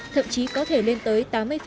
thậm chí có thể lên tới tám mươi